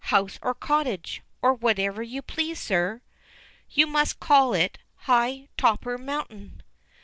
"House or cottage, or whatever you please, sir." "You must call it 'high topper mountain.